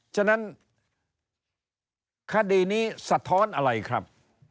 ฉะนั้นคดีนี้สะท้อนอะไรครับ